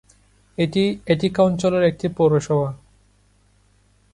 এটি অ্যাটিকা অঞ্চলের একটি পৌরসভা।